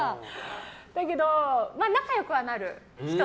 だけど、仲良くはなる。